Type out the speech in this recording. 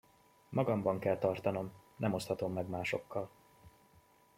Magamban kell tartanom, nem oszthatom meg másokkal!